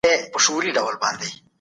که کتاب اوبو وهلی وي نو ماشین یې سموي.